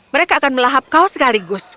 mereka akan melahap kaos sekaligus